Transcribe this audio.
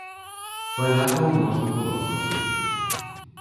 Палякаў можна было зразумець.